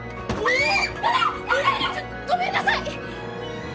ごめんなさい！